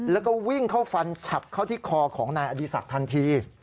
แล้วก็วิ่งเข้าฟันฉับเข้าที่คอของนายอดีศักดิ์ทันที